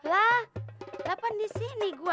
lah kenapa di sini gua